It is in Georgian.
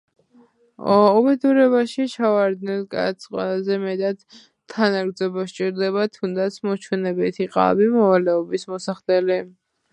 უბედურებაში ჩავარდნილ კაცს ყველაზე მეტად თანაგრძნობა სჭირდება, თუნდაც მოჩვენებითი, ყალბი, მოვალეობის მოსახდელი.